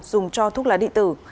dùng cho thuốc lá điện tử